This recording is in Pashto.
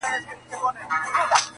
• جنازې مو پر اوږو د ورځو ګرځي -